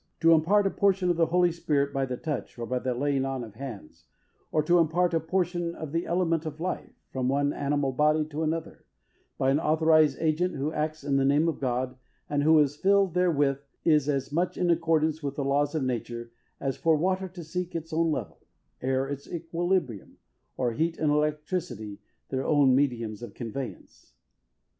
To impart a portion of the Holy Spirit by the touch, or by the laying on of hands; or to impart a portion of the element of life, from one animal body to another, by an authorized agent who acts in the name of God, and who is filled therewith, is as much in accordance with the laws of nature, as for water to seek its own level; air, its equilibrium; or heat, and electricity, their own mediums of conveyance.